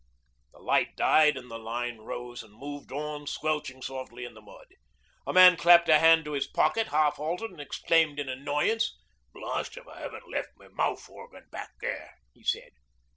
The light died, and the line rose and moved on, squelching softly in the mud. A man clapped a hand to his pocket, half halted and exclaimed in annoyance. 'Blest if I 'aven't left my mouth organ back there,' he said.